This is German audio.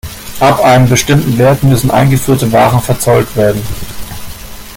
Ab einem bestimmten Wert müssen eingeführte Waren verzollt werden.